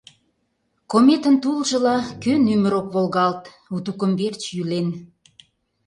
Кометын тулжыла кӧн ӱмыр ок волгалт у тукым верч йӱлен.